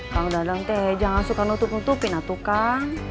kang dadang teh jangan suka nutup nutupin atuh kan